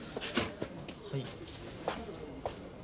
はい。